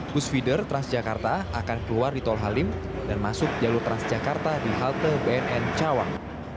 bus feeder transjakarta akan keluar di tol halim dan masuk jalur transjakarta di halte bnn cawang